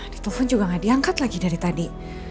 di telpon juga gak diangkat lagi dari tadi